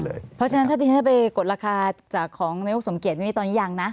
เพราะฉะนั้นถ้าที่ฉันไปกดราคาจากของนายกสมเกียจนี่ตอนนี้ยังนะ